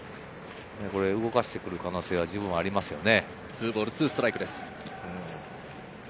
動かしてくる可能性は十分ありますね。